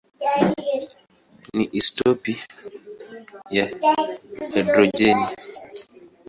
ni isotopi ya hidrojeni.